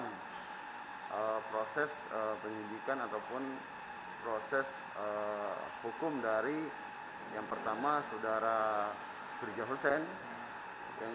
ya secepatnya pihak kepolisian khususnya polda metro jaya pihak kepolisian